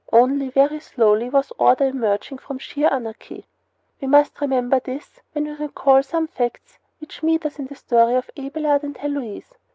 Only very slowly was order emerging from sheer anarchy. We must remember this when we recall some facts which meet us in the story of Abelard and Heloise.